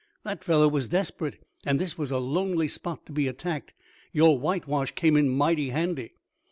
"That fellow was desperate, and this was a lonely spot to be attacked. Your whitewash came in mighty handy."